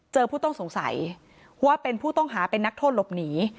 ผู้ต้องสงสัยว่าเป็นผู้ต้องหาเป็นนักโทษหลบหนี